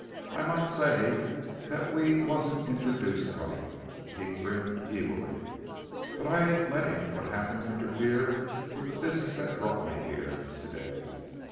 I might say that we wasn't introduced right." He grinned evilly. "But I ain't letting what happened interfere with the business that's brought me here to day.